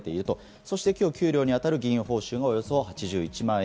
そして今日、給料に当たる議員報酬のおよそ８１万円。